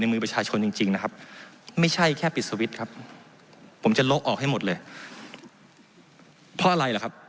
เพราะอะไรล่ะครับ